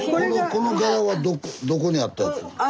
この柄はどこにあったやつ？